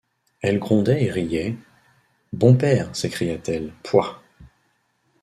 Elle grondait et riait. — Bon père, s’écriait-elle, pouah!